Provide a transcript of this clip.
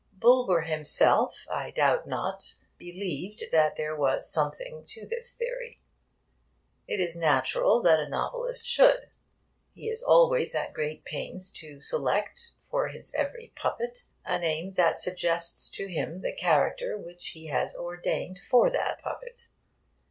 Bulwer himself, I doubt not, believed that there was something in this theory. It is natural that a novelist should. He is always at great pains to select for his every puppet a name that suggests to himself the character which he has ordained for that puppet.